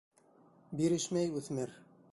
Бирешмәй үҫмер.